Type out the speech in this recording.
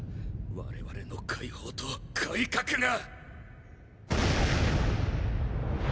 我々の解放と改革が！